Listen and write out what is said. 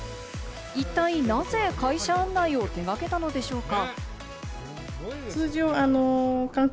一体なぜ、会社案内を手がけたのでしょうか？